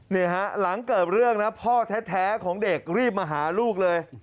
หลังเกิดเรื่องนะพ่อแท้ของเด็กรีบมาหาลูกเลย